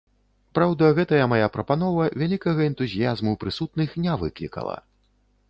Праўда, гэтая мая прапанова вялікага энтузіязму прысутных не выклікала.